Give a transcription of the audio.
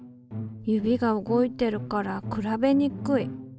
指が動いてるから比べにくい。